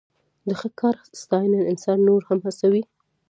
د ښه کار ستاینه انسان نور هم هڅوي.